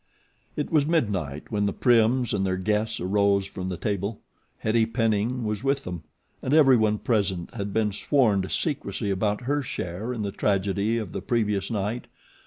It was midnight when the Prims and their guests arose from the table. Hettie Penning was with them, and everyone present had been sworn to secrecy about her share in the tragedy of the previous night.